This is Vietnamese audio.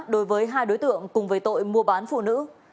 đối với hai đối tượng cùng với tội mua bán phụ nữ